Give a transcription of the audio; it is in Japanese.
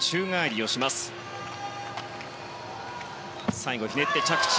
最後はひねって着地。